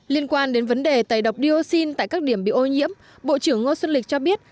liên quan đến vấn đề tẩy độc dioxin tại các điểm bị ô nhiễm bộ trưởng ngô xuân lịch cho biết